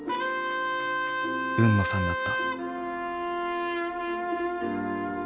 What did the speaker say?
海野さんだった。